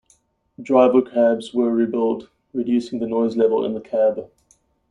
Driver cabs were rebuild, reducing the noise level in the cab.